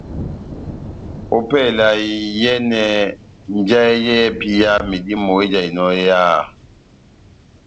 Ópɛlɛ ya iyɛ́nɛ njahɛ yɛ́hɛ́pi ya medímo ejahinɔ eháha.